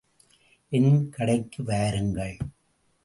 என் கடைக்கு வாருங்கள்.